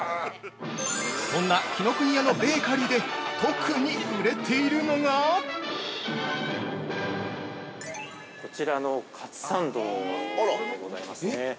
◆そんな紀ノ国屋のベーカリーで特に売れているのが◆こちらのかつサンドでございますね。